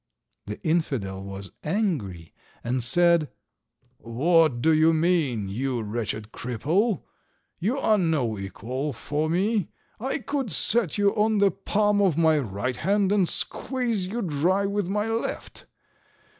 The infidel was angry, and said— "What do you mean, you wretched cripple? You are no equal for me. I could set you on the palm of my right hand and squeeze you dry with my left.